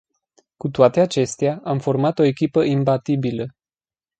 Cu toate acestea, am format o echipă imbatabilă.